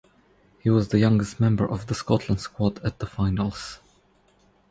He was the youngest member of the Scotland squad at the finals.